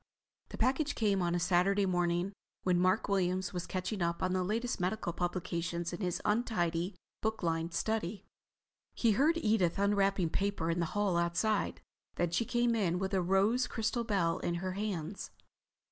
The package came on a Saturday morning, when Mark Williams was catching up on the latest medical publications in his untidy, book lined study. He heard Edith unwrapping paper in the hall outside. Then she came in with the rose crystal bell in her hands.